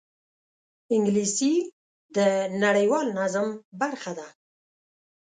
انګلیسي د نړیوال نظم برخه ده